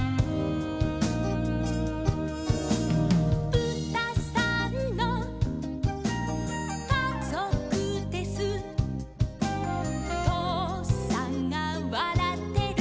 「ぶたさんのかぞくです」「とうさんがわらってる」